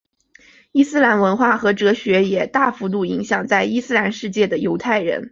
伊斯兰文化和哲学也大幅影响在伊斯兰世界的犹太人。